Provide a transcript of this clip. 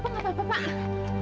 saya tuh pengen mucha milligram